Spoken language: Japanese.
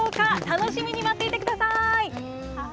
楽しみに待っていてください！